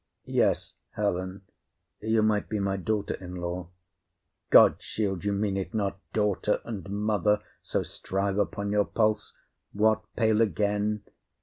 Yes, Helen, you might be my daughter in law. God shield you mean it not! daughter and mother So strive upon your pulse. What! pale again?